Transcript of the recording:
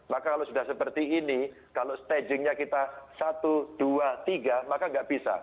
maka kalau sudah seperti ini kalau stagingnya kita satu dua tiga maka nggak bisa